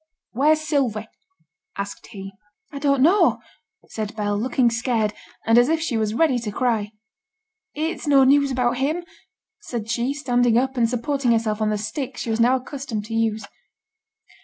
'Where's Sylvie?' asked he. 'I don't know,' said Bell, looking scared, and as if she was ready to cry. 'It's no news about him?' said she, standing up, and supporting herself on the stick she was now accustomed to use.